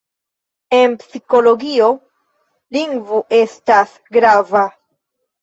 En psikologio lingvo estas grava.